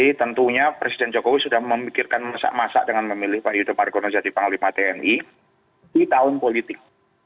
jadi tentunya presiden jokowi sudah memikirkan masak masak dengan memilih pak yudho margono jadi panglima tni di tahun politik